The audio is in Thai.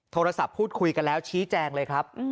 โทรศัพท์พูดคุยกันแล้วชี้แจงเลยครับ